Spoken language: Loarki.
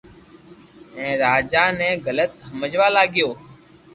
ھين راجا ني غلط ھمجوا لاگيو